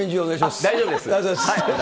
大丈夫です。